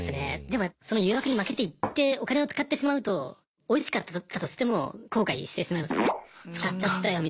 でもその誘惑に負けて行ってお金を使ってしまうとおいしかったとしても後悔してしまいますよね。